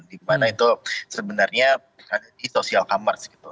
di mana itu sebenarnya di sosial commerce gitu